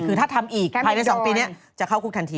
คือถ้าทำอีกภายใน๒ปีนี้จะเข้าคุกทันที